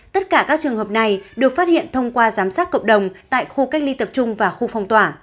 tất cả các trường hợp này được phát hiện thông qua giám sát cộng đồng tại khu cách ly tập trung và khu phong tỏa